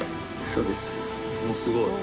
すごい。